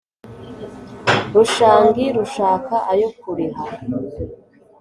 rushangi rushaka ayo kuriha